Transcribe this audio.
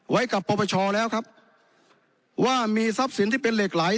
ไว้กับปปชแล้วครับว่ามีทรัพย์สินที่เป็นเหล็กไหล